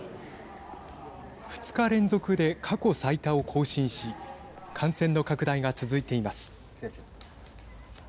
２日連続で過去最多を更新し感染の拡大が続いています。